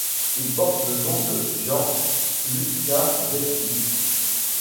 Il porte le nom de Jan Łukasiewicz.